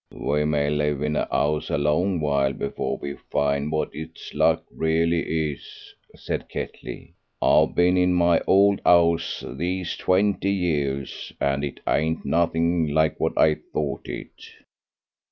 "We may live in a 'ouse a long while before we find what its luck really is," said Ketley. "I've been in my old 'ouse these twenty years, and it ain't nothing like what I thought it."